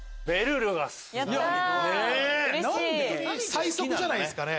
最速じゃないですかね。